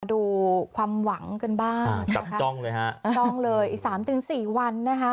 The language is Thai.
ดูความหวังกันบ้างอ่าจับจ้องเลยฮะจ้องเลยอีกสามถึงสี่วันนะคะ